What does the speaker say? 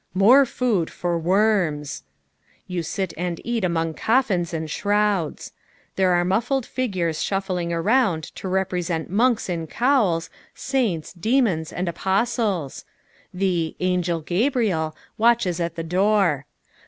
"More food for worms." You sit and eat among coffins and shrouds. There are muffled figures shuffling around to represent monks in cowls, saints, demons, and apostles. The "Angel Gabriel" watches at the door.